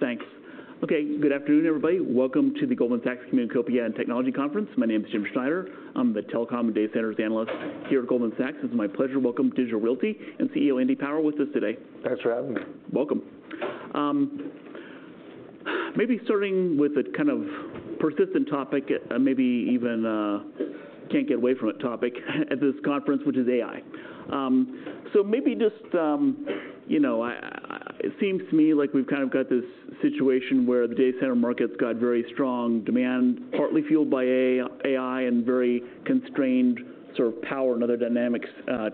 Thanks. Okay, good afternoon, everybody. Welcome to the Goldman Sachs Communications, Media & Technology Conference. My name is Jim Schneider. I'm the telecom and data centers analyst here at Goldman Sachs. It's my pleasure to welcome Digital Realty and CEO, Andy Power, with us today. Thanks for having me. Welcome. Maybe starting with a kind of persistent topic, maybe even a can't-get-away-from-it topic at this conference, which is AI. So maybe just, you know, it seems to me like we've kind of got this situation where the data center market's got very strong demand, partly fueled by AI, and very constrained sort of power and other dynamics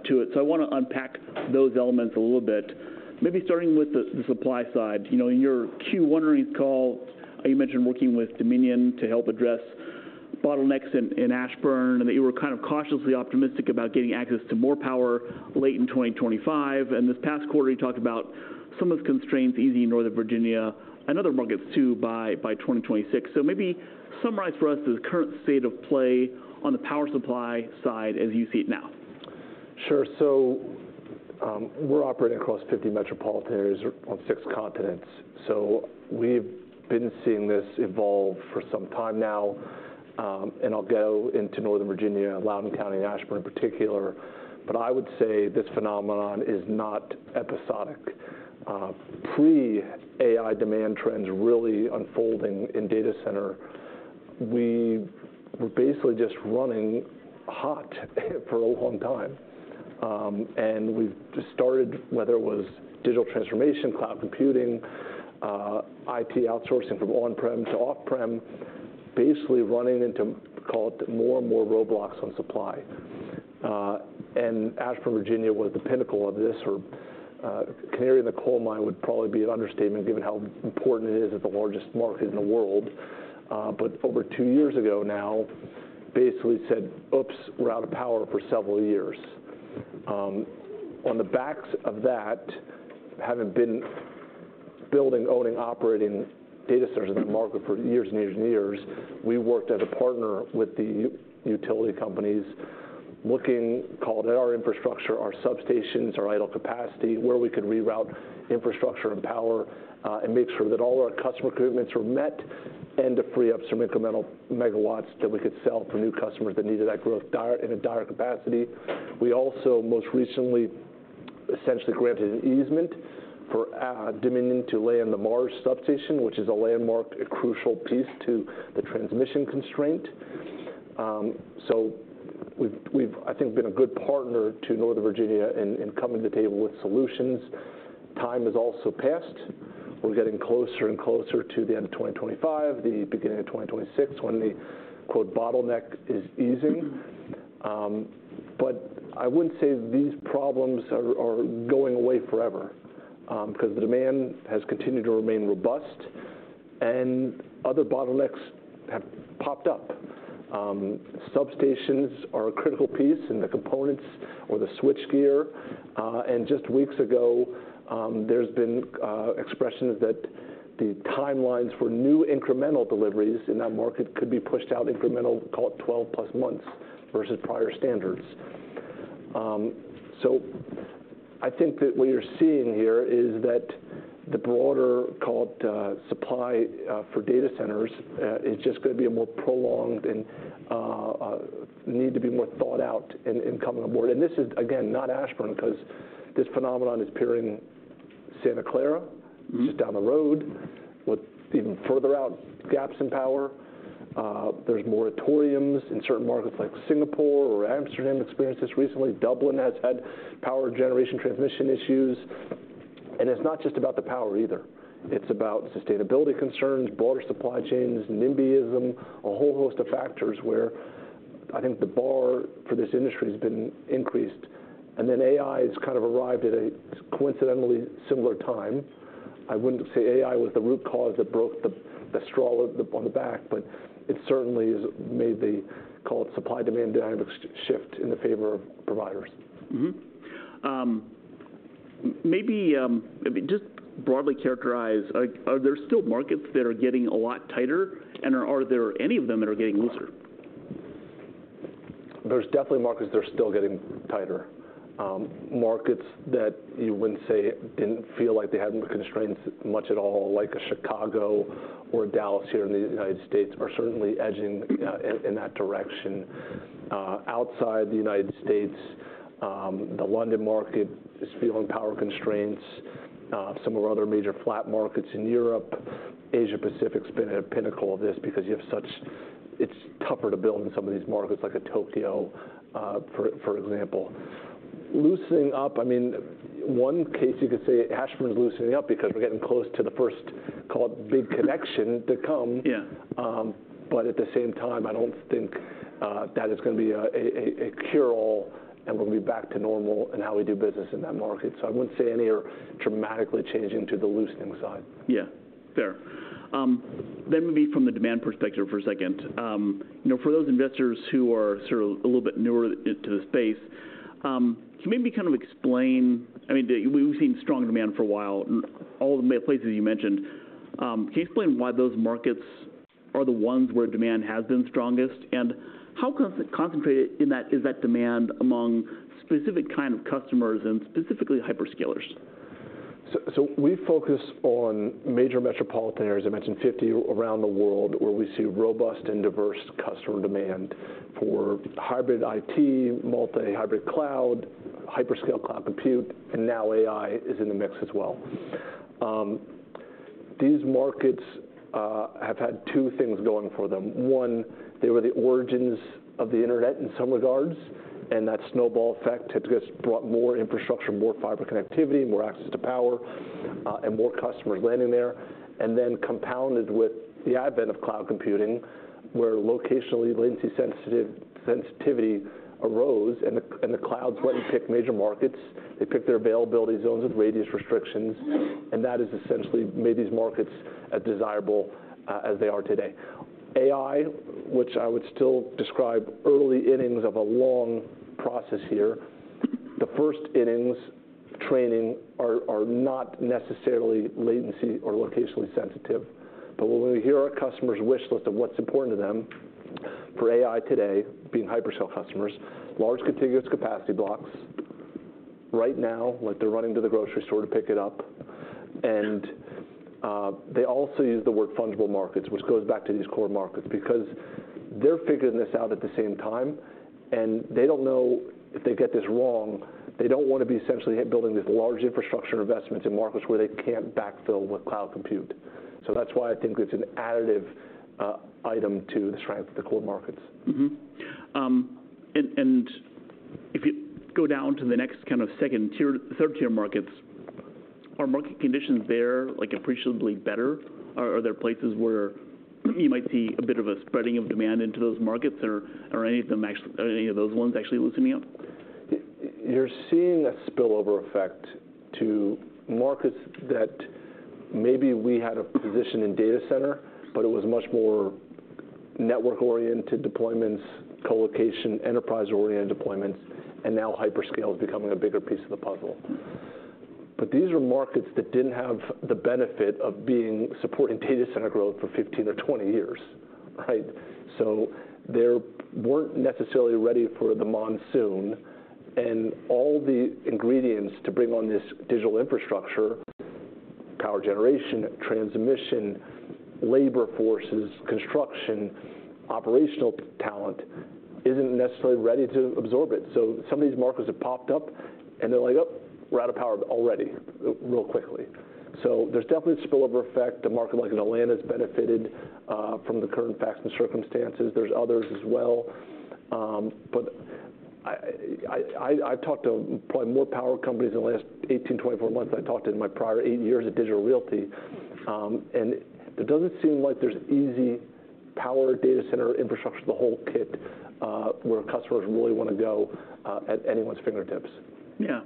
to it. So I wanna unpack those elements a little bit, maybe starting with the supply side. You know, in your Q1 earnings call, you mentioned working with Dominion to help address bottlenecks in Ashburn, and that you were kind of cautiously optimistic about getting access to more power late in 2025, and this past quarter, you talked about some of the constraints easing in Northern Virginia and other markets, too, by 2026. So maybe summarize for us the current state of play on the power supply side as you see it now. Sure, so we're operating across 50 metropolitans on 6 continents, so we've been seeing this evolve for some time now, and I'll go into Northern Virginia, Loudoun County, and Ashburn in particular, but I would say this phenomenon is not episodic. Pre-AI demand trends really unfolding in data center, we were basically just running hot for a long time, and we've just started, whether it was digital transformation, cloud computing, IP outsourcing from on-prem to off-prem, basically running into, call it, more and more roadblocks on supply, and Ashburn, Virginia, was the pinnacle of this, or canary in the coal mine would probably be an understatement, given how important it is as the largest market in the world. But over two years ago now, basically said, "Oops, we're out of power for several years." On the backs of that, having been building, owning, operating data centers in the market for years and years and years, we worked as a partner with the utility companies, looking, call it, at our infrastructure, our substations, our idle capacity, where we could reroute infrastructure and power, and make sure that all our customer commitments were met, and to free up some incremental megawatts that we could sell to new customers that needed that growth in a dire capacity. We also, most recently, essentially granted an easement for Dominion to lay in the Mars Substation, which is a landmark, a crucial piece to the transmission constraint. So we've, I think, been a good partner to Northern Virginia in coming to the table with solutions. Time has also passed. We're getting closer and closer to the end of twenty twenty-five, the beginning of twenty twenty-six, when the "bottleneck is easing." But I wouldn't say these problems are going away forever, because the demand has continued to remain robust and other bottlenecks have popped up. Substations are a critical piece, and the components or the switchgear, and just weeks ago, there's been expressions that the timelines for new incremental deliveries in that market could be pushed out incremental, call it, twelve-plus months versus prior standards. So I think that what you're seeing here is that the broader, call it, supply for data centers is just gonna be a more prolonged and need to be more thought out in the coming years. And this is, again, not Ashburn, because this phenomenon is appearing in Santa Clara, just down the road, with even further out gaps in power. There's moratoriums in certain markets, like Singapore or Amsterdam experienced this recently. Dublin has had power generation transmission issues. And it's not just about the power either. It's about sustainability concerns, broader supply chains, nimbyism, a whole host of factors where I think the bar for this industry has been increased. And then AI has kind of arrived at a coincidentally similar time. I wouldn't say AI was the root cause that broke the straw on the back, but it certainly has made the, call it, supply-demand dynamics shift in the favor of providers. Mm-hmm. Maybe just broadly characterize, like, are there still markets that are getting a lot tighter, and are there any of them that are getting looser? There's definitely markets that are still getting tighter. Markets that you wouldn't say didn't feel like they had constraints much at all, like a Chicago or Dallas here in the United States, are certainly edging in that direction. Outside the United States, the London market is feeling power constraints, some of our other major FLAP markets in Europe. Asia Pacific's been at the pinnacle of this because it's tougher to build in some of these markets, like a Tokyo, for example. Loosening up, I mean, one case you could say Ashburn is loosening up because we're getting close to the first, call it, big connection to come. Yeah. But at the same time, I don't think that it's gonna be a cure-all, and we'll be back to normal in how we do business in that market. So I wouldn't say any are dramatically changing to the loosening side. Yeah. Fair. Then maybe from the demand perspective for a second, you know, for those investors who are sort of a little bit newer to the space, can you maybe kind of explain? I mean, we've seen strong demand for a while, and all the places you mentioned, can you explain why those markets are the ones where demand has been strongest? And how concentrated is that demand among specific kind of customers and specifically hyperscalers? We focus on major metropolitan areas, I mentioned 50 around the world, where we see robust and diverse customer demand for hybrid IT, multi-hybrid cloud, hyperscale cloud compute, and now AI is in the mix as well. These markets have had two things going for them. One, they were the origins of the internet in some regards, and that snowball effect has just brought more infrastructure, more fiber connectivity, more access to power, and more customers landing there. And then compounded with the advent of cloud computing, where locational latency sensitivity arose, and the clouds went and picked major markets. They picked their availability zones with radius restrictions, and that has essentially made these markets as desirable as they are today. AI, which I would still describe early innings of a long process here, the first innings training are not necessarily latency or locationally sensitive. But when we hear our customers' wish list of what's important to them for AI today, being hyperscale customers, large contiguous capacity blocks. Right now, like they're running to the grocery store to pick it up. And they also use the word fungible markets, which goes back to these core markets, because they're figuring this out at the same time, and they don't know if they get this wrong, they don't want to be essentially building this large infrastructure investments in markets where they can't backfill with cloud compute. So that's why I think it's an additive item to the strength of the core markets. Mm-hmm. And if you go down to the next kind of second tier, third-tier markets, are market conditions there, like, appreciably better? Or are there places where you might see a bit of a spreading of demand into those markets, or are any of those ones actually loosening up? You're seeing a spillover effect to markets that maybe we had a position in data center, but it was much more network-oriented deployments, colocation, enterprise-oriented deployments, and now hyperscale is becoming a bigger piece of the puzzle. But these are markets that didn't have the benefit of being supporting data center growth for 15 or 20 years, right? So they weren't necessarily ready for the monsoon, and all the ingredients to bring on this digital infrastructure: power generation, transmission, labor forces, construction, operational talent, isn't necessarily ready to absorb it. So some of these markets have popped up, and they're like, "Oh, we're out of power already," real quickly. So there's definitely a spillover effect. A market like in Atlanta has benefited from the current facts and circumstances. There's others as well. But I've talked to probably more power companies in the last eighteen, twenty-four months than I talked to in my prior eight years at Digital Realty. And it doesn't seem like there's easy power data center infrastructure, the whole kit, where customers really want to go, at anyone's fingertips. Yeah.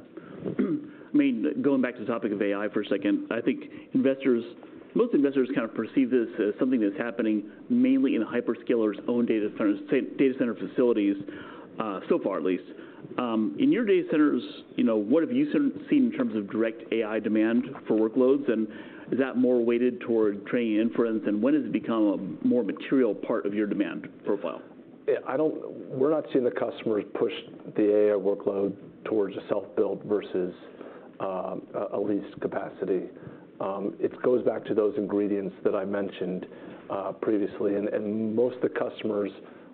I mean, going back to the topic of AI for a second, I think investors, most investors kind of perceive this as something that's happening mainly in a hyperscaler's own data center, data center facilities, so far at least. In your data centers, you know, what have you seen in terms of direct AI demand for workloads, and is that more weighted toward training inference? And when does it become a more material part of your demand profile? Yeah, I don't. We're not seeing the customers push the AI workload towards a self-build versus a leased capacity. It goes back to those ingredients that I mentioned previously, and most of the customers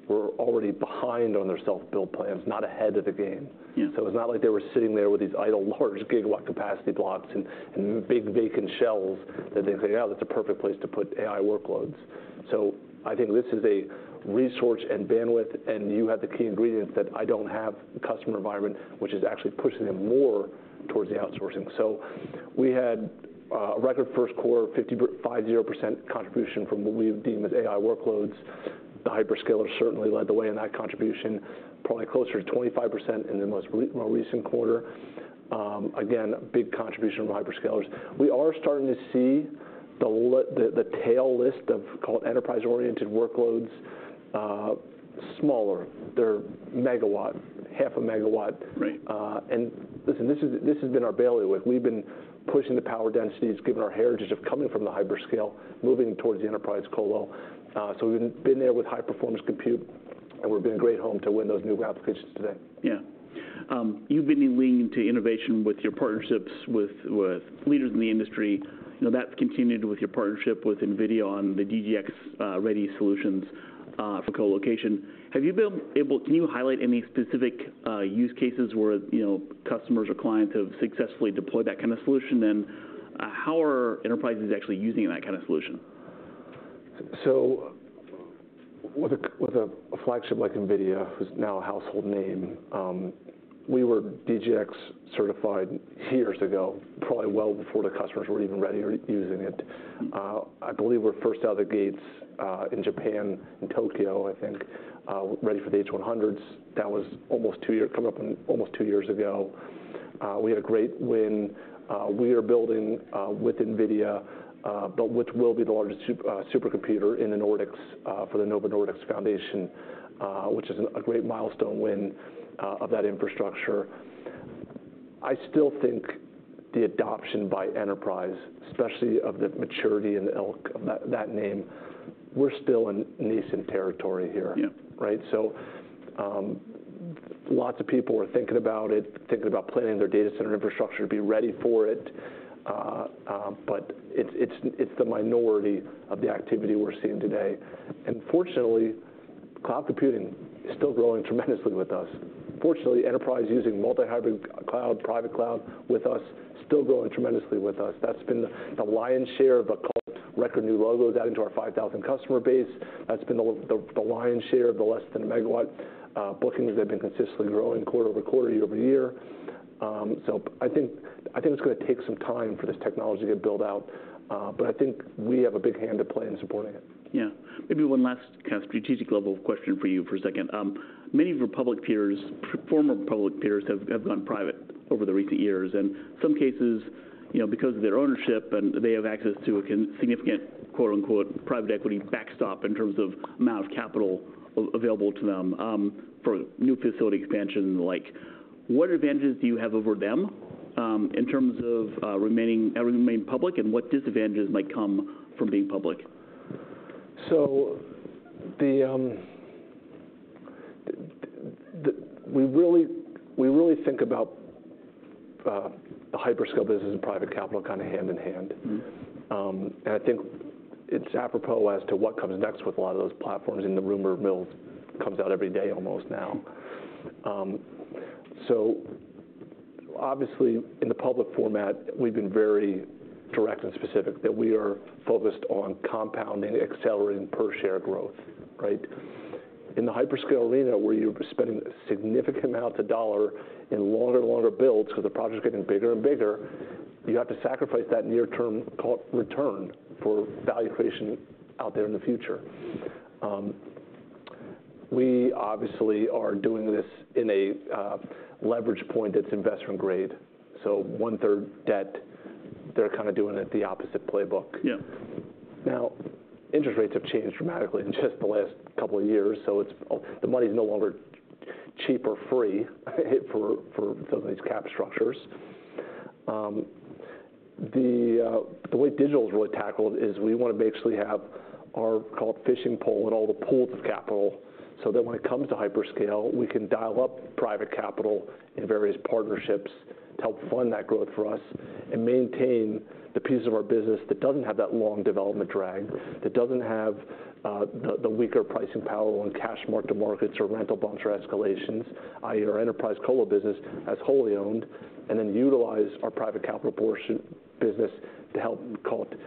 were already behind on their self-build plans, not ahead of the game. Yeah. So it's not like they were sitting there with these idle, large gigawatt capacity blocks and big, vacant shells that they say, "Yeah, that's a perfect place to put AI workloads." I think this is a resource and bandwidth, and you have the key ingredients that I don't have, the customer environment, which is actually pushing them more towards the outsourcing. We had a record first quarter, 55% contribution from what we deem as AI workloads. The hyperscalers certainly led the way in that contribution, probably closer to 25% in the most recent quarter. Again, big contribution from hyperscalers. We are starting to see the tail end of, call it, enterprise-oriented workloads, smaller. They're megawatt, half a megawatt. Right. And listen, this is, this has been our bailiwick. We've been pushing the power densities, given our heritage of coming from the hyperscale, moving towards the enterprise colo. So we've been there with high-performance compute, and we've been a great home to win those new applications today. Yeah. You've been leaning into innovation with your partnerships with leaders in the industry. You know, that's continued with your partnership with NVIDIA on the DGX-Ready solutions for colocation. Can you highlight any specific use cases where, you know, customers or clients have successfully deployed that kind of solution? And how are enterprises actually using that kind of solution? So with a, with a flagship like NVIDIA, who's now a household name, we were DGX-certified years ago, probably well before the customers were even ready or using it. I believe we're first out of the gates in Japan and Tokyo, I think, ready for the H100s. That was almost two years, coming up on almost two years ago. We had a great win. We are building with NVIDIA, but which will be the largest supercomputer in the Nordics for the Novo Nordisk Foundation, which is a great milestone win of that infrastructure. I still think the adoption by enterprise, especially of the maturity level of that name, we're still in nascent territory here. Yeah. Right? So lots of people are thinking about it, thinking about planning their data center infrastructure to be ready for it. But it's the minority of the activity we're seeing today. And fortunately, cloud computing is still growing tremendously with us. Fortunately, enterprise using multi-hybrid cloud, private cloud with us, still growing tremendously with us. That's been the lion's share of the record new logos adding to our 5,000 customer base. That's been the lion's share of the less than a megawatt bookings that have been consistently growing quarter over quarter, year over year. So I think it's gonna take some time for this technology to build out, but I think we have a big hand to play in supporting it. Yeah. Maybe one last kind of strategic level question for you for a second. Many of your public peers, former public peers, have gone private over the recent years, and in some cases, you know, because of their ownership, and they have access to a significant, quote, unquote, "private equity backstop" in terms of amount of capital available to them, for new facility expansion and the like. What advantages do you have over them, in terms of remaining public, and what disadvantages might come from being public? We really think about the hyperscale business and private capital kind of hand in hand. Mm-hmm. And I think it's apropos as to what comes next with a lot of those platforms, and the rumor mill comes out every day almost now. So obviously, in the public format, we've been very direct and specific that we are focused on compounding, accelerating per share growth, right? In the hyperscale arena, where you're spending significant amounts of dollar in longer and longer builds, so the project's getting bigger and bigger, you have to sacrifice that near-term return for value creation out there in the future. We obviously are doing this in a leverage point that's investment grade, so one-third debt. They're kind of doing it the opposite playbook. Yeah. Now, interest rates have changed dramatically in just the last couple of years, so it's the money's no longer cheap or free for some of these cap structures. The way Digital's really tackled is we want to basically have our, call it, fishing pole and all the pools of capital, so that when it comes to hyperscale, we can dial up private capital in various partnerships to help fund that growth for us and maintain the piece of our business that doesn't have that long development drag, that doesn't have the weaker pricing power on cash mark to markets or rental bumps or escalations, i.e., our enterprise colo business as wholly owned, and then utilize our private capital portion business to help, call it,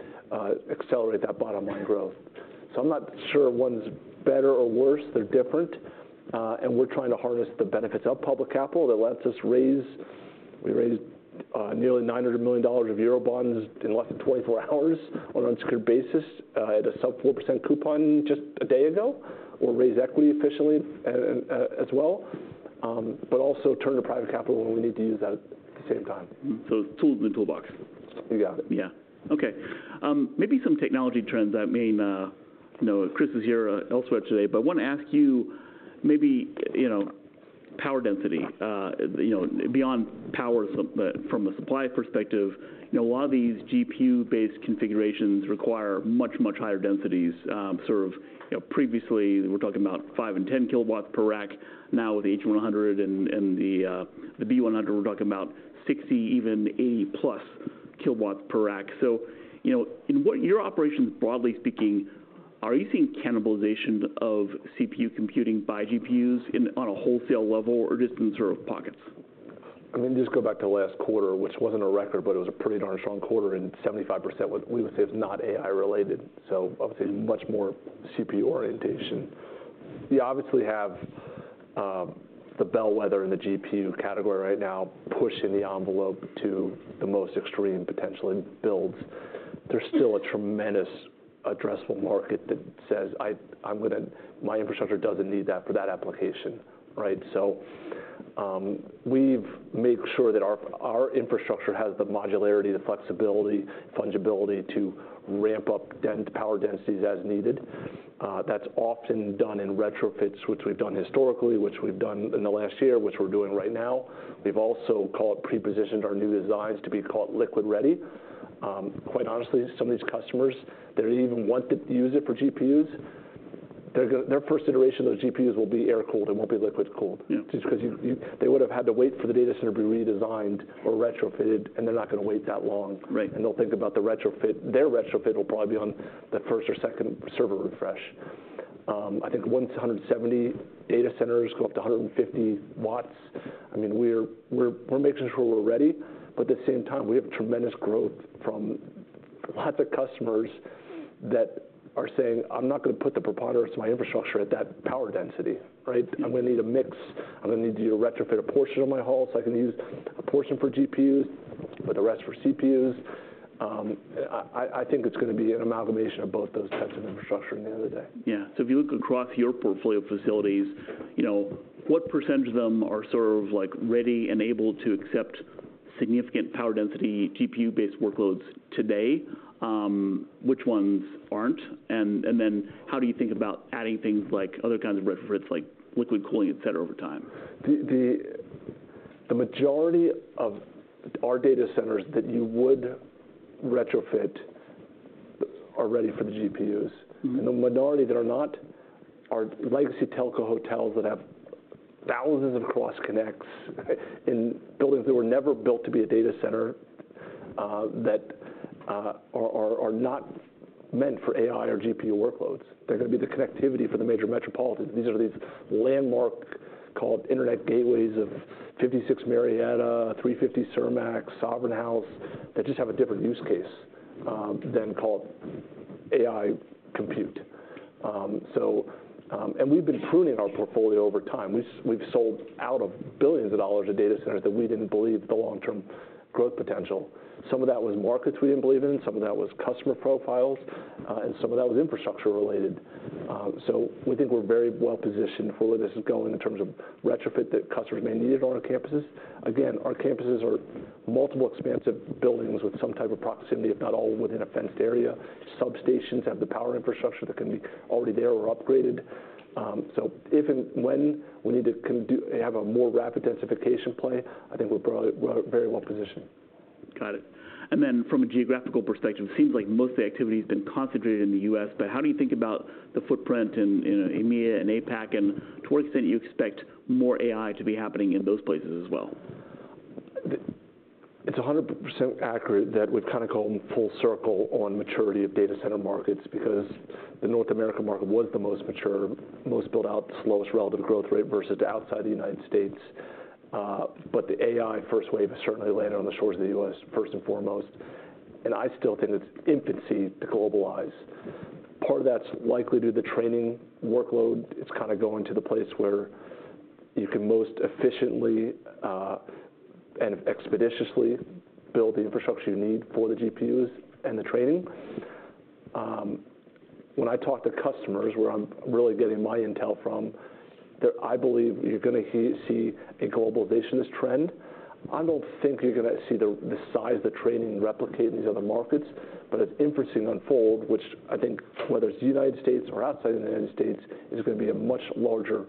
accelerate that bottom line growth. I'm not sure one's better or worse. They're different, and we're trying to harness the benefits of public capital that lets us raise. We raised nearly $900 million of euro bonds in less than 24 hours on an unsecured basis at a sub-4% coupon just a day ago, or raise equity efficiently as well, but also turn to private capital when we need to use that at the same time. So tools in the toolbox? Yeah. Yeah. Okay, maybe some technology trends that may, you know, Chris is here, elsewhere today, but I want to ask you maybe, you know, power density. You know, beyond power from the supply perspective, you know, a lot of these GPU-based configurations require much, much higher densities. Sort of, you know, previously, we're talking about five and 10 kilowatts per rack. Now, with the H100 and the B100, we're talking about 60, even 80 plus kilowatts per rack. So, you know, your operations, broadly speaking, are you seeing cannibalization of CPU computing by GPUs on a wholesale level, or just in sort of pockets? I mean, just go back to last quarter, which wasn't a record, but it was a pretty darn strong quarter, and 75% was, we would say, was not AI related, so obviously much more CPU orientation. We obviously have the bellwether in the GPU category right now, pushing the envelope to the most extreme potential in builds. There's still a tremendous addressable market that says, "I'm gonna my infrastructure doesn't need that for that application," right? So, we've made sure that our, our infrastructure has the modularity, the flexibility, fungibility to ramp up power densities as needed. That's often done in retrofits, which we've done historically, which we've done in the last year, which we're doing right now. We've also, call it, pre-positioned our new designs to be, call it, liquid ready. Quite honestly, some of these customers, they don't even want to use it for GPUs. Their first iteration of those GPUs will be air-cooled. It won't be liquid-cooled. Yeah. Just because they would've had to wait for the data center to be redesigned or retrofitted, and they're not gonna wait that long. Right. They'll think about the retrofit. Their retrofit will probably be on the first or second server refresh. I think 170 data centers go up to 150 watts. I mean, we're making sure we're ready, but at the same time, we have tremendous growth from lots of customers that are saying: I'm not gonna put the preponderance of my infrastructure at that power density, right? Mm-hmm. I'm gonna need a mix. I'm gonna need to retrofit a portion of my hall, so I can use a portion for GPUs, but the rest for CPUs. I think it's gonna be an amalgamation of both those types of infrastructure at the end of the day. Yeah. So if you look across your portfolio of facilities, you know, what percentage of them are sort of, like, ready and able to accept significant power density, GPU-based workloads today? Which ones aren't? And then how do you think about adding things like other kinds of retrofits, like liquid cooling, et cetera, over time? The majority of our data centers that you would retrofit are ready for the GPUs. Mm-hmm. And the minority that are not are legacy telco hotels that have thousands of cross connects, okay, in buildings that were never built to be a data center, that are not meant for AI or GPU workloads. They're gonna be the connectivity for the major metropolitan. These are landmark called internet gateways of 56 Marietta, 350 Cermak, Sovereign House, that just have a different use case than called AI compute. And we've been pruning our portfolio over time. We've sold out of billions of dollars of data centers that we didn't believe the long-term growth potential. Some of that was markets we didn't believe in, some of that was customer profiles, and some of that was infrastructure related. So we think we're very well positioned for where this is going in terms of retrofit that customers may need on our campuses. Again, our campuses are multiple expansive buildings with some type of proximity, if not all, within a fenced area. Substations have the power infrastructure that can be already there or upgraded. So if and when we need to have a more rapid densification play, I think we're very well positioned. Got it. And then from a geographical perspective, it seems like most of the activity has been concentrated in the U.S., but how do you think about the footprint in EMEA and APAC, and to what extent do you expect more AI to be happening in those places as well? It's 100% accurate that we've kind of come full circle on maturity of data center markets, because the North American market was the most mature, most built out, the slowest relative growth rate versus outside the United States. But the AI first wave has certainly landed on the shores of the US, first and foremost, and I still think it's infancy to globalize. Part of that's likely due to the training workload. It's kind of going to the place where you can most efficiently and expeditiously build the infrastructure you need for the GPUs and the training. When I talk to customers, where I'm really getting my intel from, that I believe you're gonna see a globalizationist trend. I don't think you're gonna see the size of the training replicate in these other markets, but it's interesting to unfold, which I think whether it's the United States or outside of the United States, is gonna be a much larger,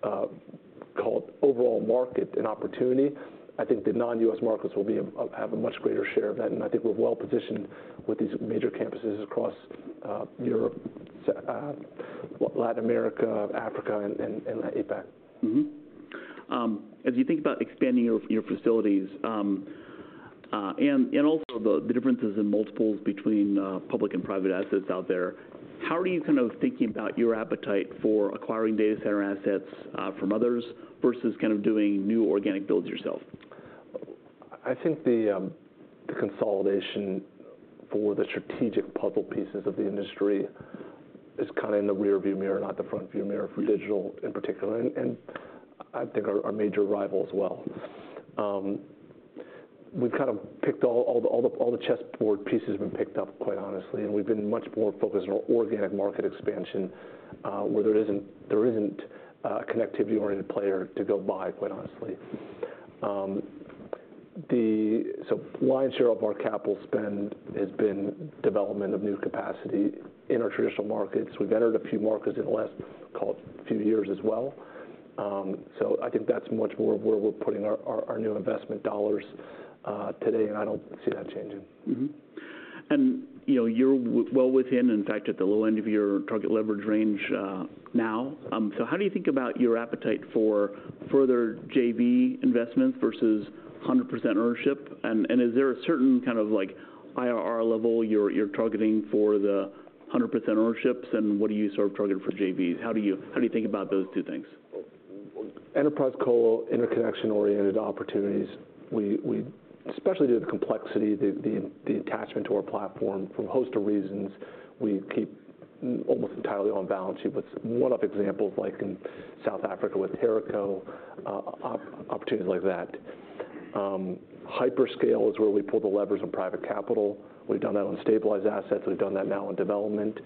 call it, overall market and opportunity. I think the non-US markets will have a much greater share of that, and I think we're well positioned with these major campuses across Europe, Latin America, Africa, and APAC. Mm-hmm. As you think about expanding your facilities, and also the differences in multiples between public and private assets out there, how are you kind of thinking about your appetite for acquiring data center assets from others, versus kind of doing new organic builds yourself? I think the consolidation for the strategic puzzle pieces of the industry is kind of in the rearview mirror, not the front view mirror for Digital in particular, and I think our major rival as well. We've kind of picked up all the chessboard pieces, quite honestly, and we've been much more focused on organic market expansion, where there isn't a connectivity-oriented player to go buy, quite honestly. The lion's share of our capital spend has been development of new capacity in our traditional markets. We've entered a few markets in the last, call it, few years as well. I think that's much more of where we're putting our new investment dollars today, and I don't see that changing. Mm-hmm. And, you know, you're well within, in fact, at the low end of your target leverage range, now. So how do you think about your appetite for further JV investments versus 100% ownership? And is there a certain kind of, like, IRR level you're targeting for the 100% ownerships, and what are you sort of targeting for JVs? How do you think about those two things? Enterprise colo, interconnection-oriented opportunities, we especially due to the complexity, the attachment to our platform, for a host of reasons, we keep almost entirely on balance sheet, but one-off examples, like in South Africa with Teraco, opportunities like that. Hyperscale is where we pull the levers on private capital. We've done that on stabilized assets. We've done that now in development,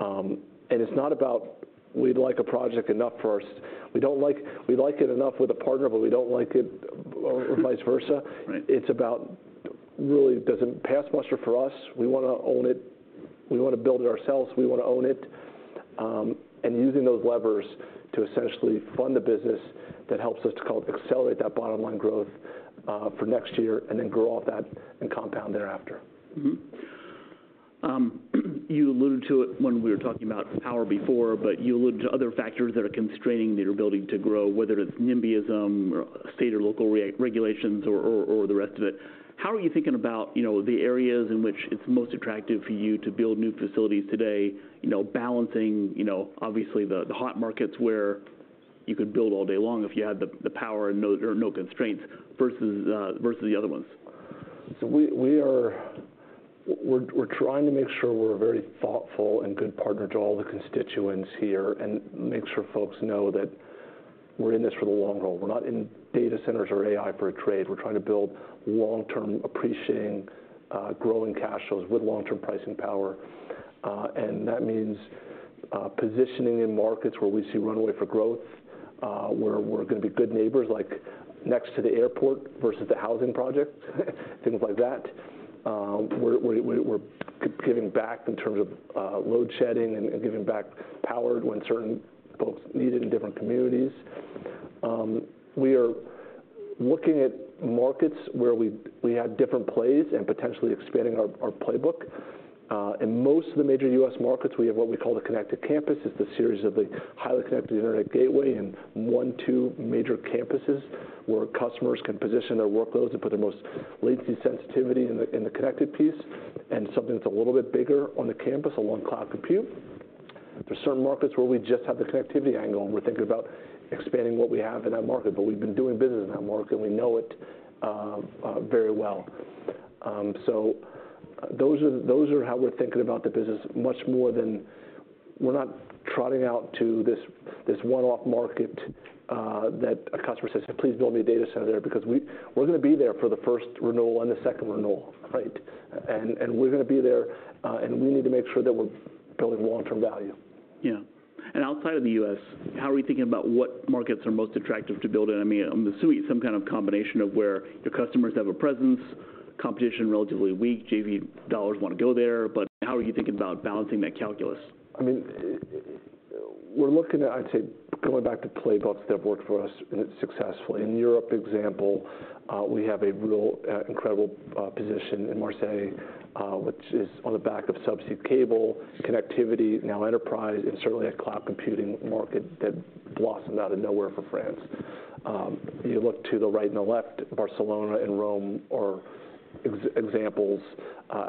and it's not about we'd like a project enough for our, we don't like, we like it enough with a partner, but we don't like it, or vice versa. Right. It's about, really, does it pass muster for us? We want to own it. We want to build it ourselves. We want to own it. And using those levers to essentially fund the business, that helps us to, call it, accelerate that bottom line growth, for next year, and then grow off that and compound thereafter. Mm-hmm. You alluded to it when we were talking about power before, but you alluded to other factors that are constraining your ability to grow, whether it's nimbyism or state or local regulations or the rest of it. How are you thinking about, you know, the areas in which it's most attractive for you to build new facilities today? You know, balancing, you know, obviously the hot markets, where you could build all day long if you had the power and no constraints, versus the other ones. So we are trying to make sure we're very thoughtful and good partner to all the constituents here, and make sure folks know that we're in this for the long haul. We're not in data centers or AI for a trade. We're trying to build long-term, appreciating, growing cash flows with long-term pricing power, and that means positioning in markets where we see runway for growth, where we're gonna be good neighbors, like next to the airport versus the housing project, things like that. We're giving back in terms of load shedding and giving back power when certain folks need it in different communities. We are looking at markets where we have different plays and potentially expanding our playbook. In most of the major U.S. markets, we have what we call the connected campus. It's the series of the highly connected internet gateway, and one or two major campuses where customers can position their workloads and put their most latency-sensitive in the connected piece, and something that's a little bit bigger on the campus, along cloud compute. There are certain markets where we just have the connectivity angle, and we're thinking about expanding what we have in that market, but we've been doing business in that market, and we know it very well. So those are how we're thinking about the business, much more than we are not trotting out to this one-off market that a customer says, "Please build me a data center there," because we're gonna be there for the first renewal and the second renewal, right? We're gonna be there, and we need to make sure that we're building long-term value. Yeah. And outside of the U.S., how are we thinking about what markets are most attractive to build in? I mean, I'm assuming some kind of combination of where the customers have a presence, competition relatively weak, JV dollars want to go there, but how are you thinking about balancing that calculus? I mean, we're looking at, I'd say, going back to playbooks that have worked for us successfully. In Europe, example, we have a real incredible position in Marseille, which is on the back of subsea cable, connectivity, now enterprise, and certainly a cloud computing market that blossomed out of nowhere for France. You look to the right and the left, Barcelona and Rome are examples,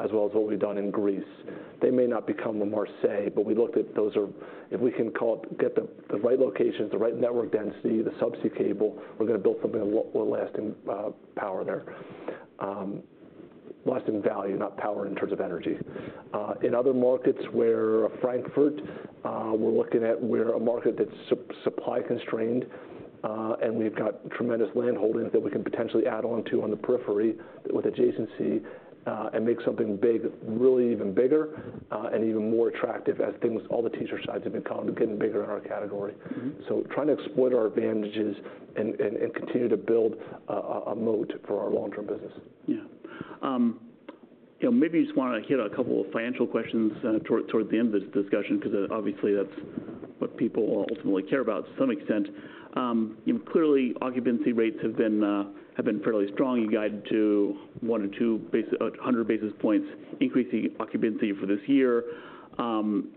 as well as what we've done in Greece. They may not become the Marseille, but we looked at those are. If we can call it, get the right locations, the right network density, the subsea cable, we're gonna build something of more lasting power there. Lasting value, not power in terms of energy. In other markets where Frankfurt, we're looking at, where a market that's supply constrained, and we've got tremendous landholdings that we can potentially add on to on the periphery with adjacency, and make something big, really even bigger, and even more attractive as things, all the tenants' sites have been becoming, getting bigger in our category. Mm-hmm. Trying to exploit our advantages and continue to build a moat for our long-term business. Yeah. You know, maybe just want to hit a couple of financial questions toward the end of this discussion, because obviously, that's what people ultimately care about to some extent. Clearly, occupancy rates have been fairly strong. You guided to one or two hundred basis points, increasing occupancy for this year.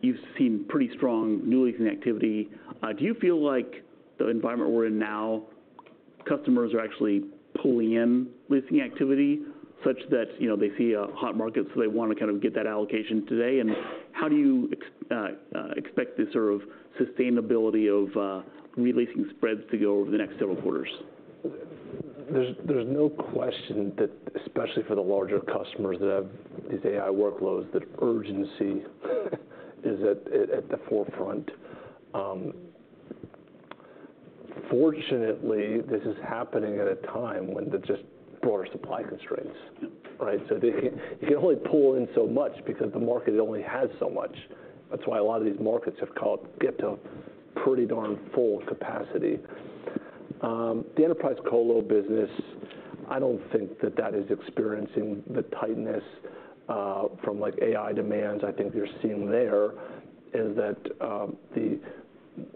You've seen pretty strong new leasing activity. Do you feel like the environment we're in now, customers are actually pulling in leasing activity, such that, you know, they see a hot market, so they want to kind of get that allocation today? And how do you expect this sort of sustainability of re-leasing spreads to go over the next several quarters? There's no question that, especially for the larger customers that have these AI workloads, that urgency is at the forefront. Fortunately, this is happening at a time when there's just broader supply constraints, right? So you can only pull in so much because the market only has so much. That's why a lot of these markets get to pretty darn full capacity. The enterprise colo business, I don't think that is experiencing the tightness from, like, AI demands. I think we're seeing there is that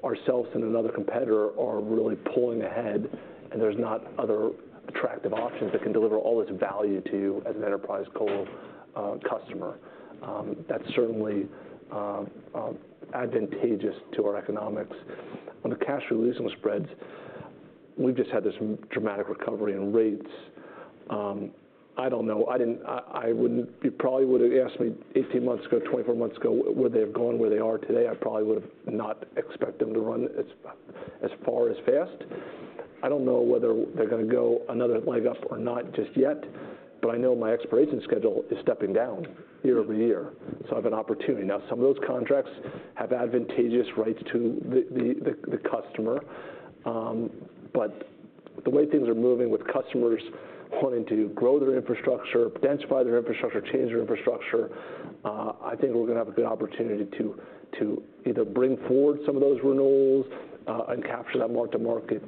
ourselves and another competitor are really pulling ahead, and there's not other attractive options that can deliver all this value to you as an enterprise colo customer. That's certainly advantageous to our economics. On the cash re-leasing spreads, we've just had this dramatic recovery in rates. I don't know. I wouldn't. You probably would have asked me eighteen months ago, twenty-four months ago, would they have gone where they are today. I probably would've not expect them to run as far or as fast. I don't know whether they're gonna go another leg up or not just yet, but I know my expiration schedule is stepping down year over year, so I have an opportunity. Now, some of those contracts have advantageous rights to the customer. But the way things are moving with customers wanting to grow their infrastructure, densify their infrastructure, change their infrastructure, I think we're gonna have a good opportunity to either bring forward some of those renewals and capture that mark to market,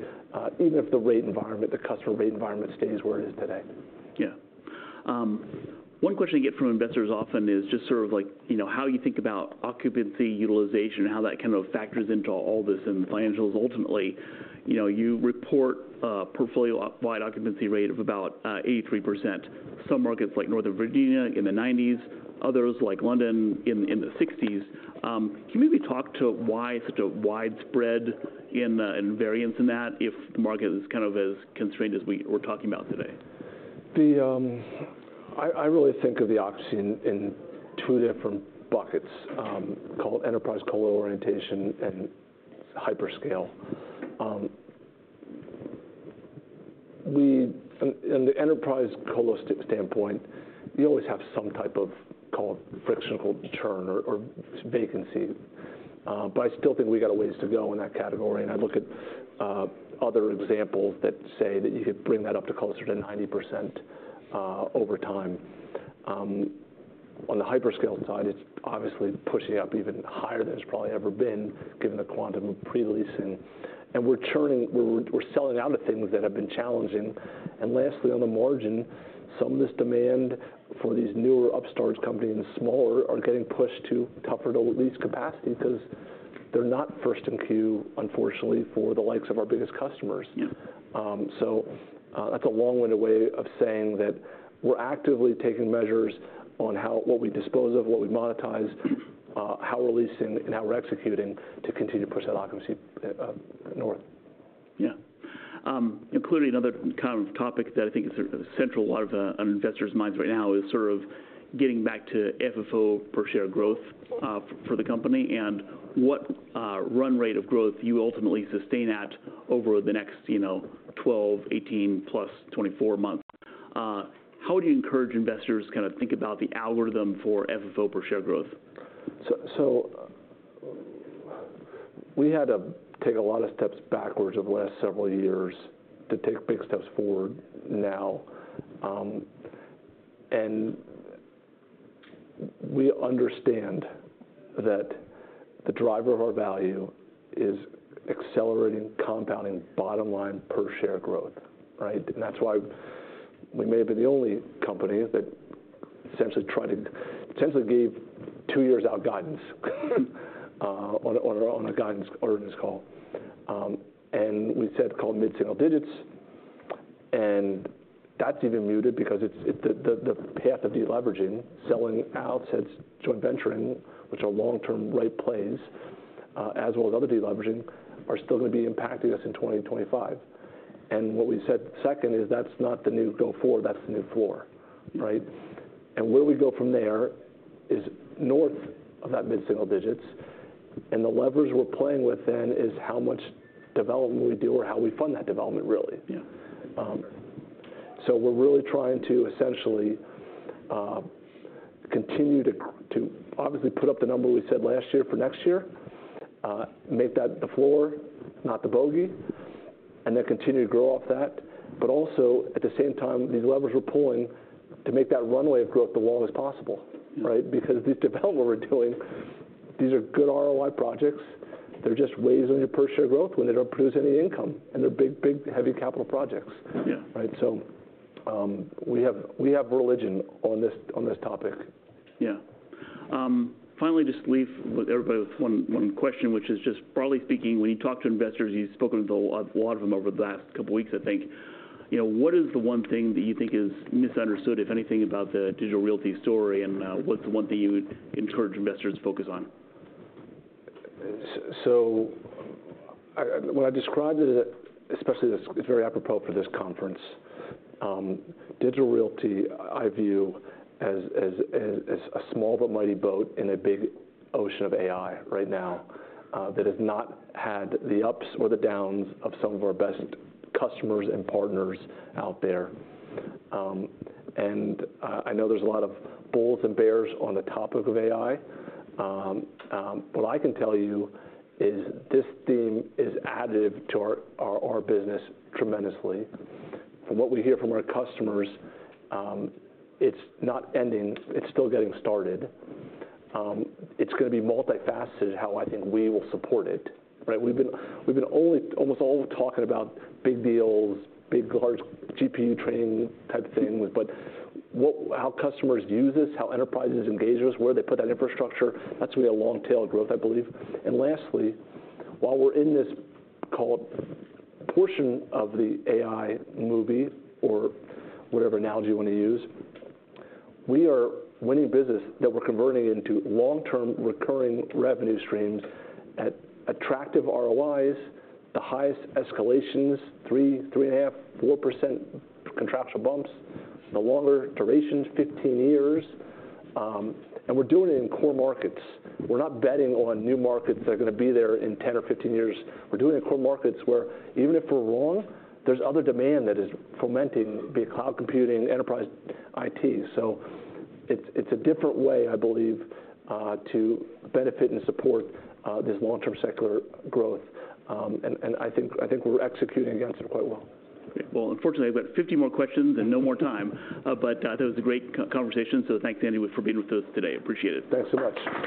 even if the rate environment, the customer rate environment, stays where it is today. Yeah. One question I get from investors often is just sort of like, you know, how you think about occupancy utilization, how that kind of factors into all this and the financials ultimately. You know, you report a portfolio wide occupancy rate of about 83%. Some markets, like Northern Virginia, in the nineties, others, like London, in the sixties. Can you maybe talk to why such a widespread in variance in that, if the market is kind of as constrained as we're talking about today? I really think of the occupancy in two different buckets, called enterprise colo orientation and hyperscale. In the enterprise colo standpoint, you always have some type of kinda frictional churn or vacancy, but I still think we got a ways to go in that category, and I look at other examples that say that you could bring that up to closer to 90% over time. On the hyperscale side, it's obviously pushing up even higher than it's probably ever been, given the quantum of pre-leasing. And we're selling out of things that have been challenging. And lastly, on the margin, some of this demand for these newer upstart companies, smaller, are getting pushed to tougher to lease capacity because they're not first in queue, unfortunately, for the likes of our biggest customers. Yeah. That's a long-winded way of saying that we're actively taking measures on what we dispose of, what we monetize, how we're leasing, and how we're executing to continue to push that occupancy north. Yeah. Including another kind of topic that I think is sort of central on a lot of, on investors' minds right now is sort of getting back to FFO per share growth, for the company, and what, run rate of growth you ultimately sustain at, over the next, you know, twelve, eighteen plus twenty-four months. How do you encourage investors kind of think about the algorithm for FFO per share growth? We had to take a lot of steps backwards over the last several years to take big steps forward now. We understand that the driver of our value is accelerating, compounding, bottom line per share growth, right? That's why we may have been the only company that essentially gave two years out guidance on a guidance earnings call. We said called mid-single digits, and that's even muted because it's the path of deleveraging, selling out assets, joint venturing, which are long-term right plays, as well as other deleveraging, are still gonna be impacting us in 2024, 2025. What we said second is that's not the new go forward, that's the new floor, right? And where we go from there is north of that mid-single digits, and the levers we're playing with then is how much development we do or how we fund that development, really. Yeah. So we're really trying to essentially continue to obviously put up the number we said last year for next year. Make that the floor, not the bogey, and then continue to grow off that. But also, at the same time, these levers we're pulling to make that runway of growth the longest possible, right? Yeah. Because these developments we're doing, these are good ROI projects. They're just raising your per share growth when they don't produce any income, and they're big, big, heavy capital projects. Yeah. Right? So, we have religion on this topic. Yeah. Finally, just leave with everybody with one question, which is just broadly speaking, when you talk to investors, you've spoken with a lot of them over the last couple of weeks, I think. You know, what is the one thing that you think is misunderstood, if anything, about the Digital Realty story, and what's the one thing you would encourage investors to focus on? So when I describe it, especially this, it's very apropos for this conference. Digital Realty, I view as a small but mighty boat in a big ocean of AI right now, that has not had the ups or the downs of some of our best customers and partners out there. And I know there's a lot of bulls and bears on the topic of AI. What I can tell you is this theme is additive to our business tremendously. From what we hear from our customers, it's not ending, it's still getting started. It's gonna be multifaceted, how I think we will support it, right? We've been almost only talking about big deals, big, large GPU training type thing. But what, how customers use this, how enterprises engage with us, where they put that infrastructure, that's really a long tail of growth, I believe. And lastly, while we're in this so-called portion of the AI movie or whatever analogy you want to use, we are winning business that we're converting into long-term recurring revenue streams at attractive ROIs, the highest escalations, 3, 3.5, 4% contractual bumps, the longer durations, 15 years. And we're doing it in core markets. We're not betting on new markets that are gonna be there in 10 or 15 years. We're doing it in core markets, where even if we're wrong, there's other demand that is fomenting, be it cloud computing, enterprise IT. It's a different way, I believe, to benefit and support this long-term secular growth. I think we're executing against it quite well. Unfortunately, I've got 50 more questions and no more time. But that was a great conversation, so thanks, Andy, for being with us today. Appreciate it. Thanks so much.